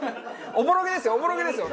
おぼろげですよ！